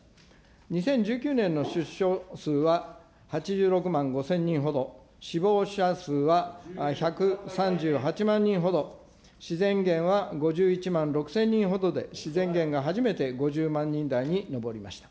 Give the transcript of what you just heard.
２０１９年の出生数は８６万５０００人ほど、死亡者数は１３８万人ほど、自然減は５１万６０００人ほどで、自然減が初めて５０万人台に上りました。